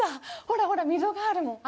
ほらほら、溝があるもん。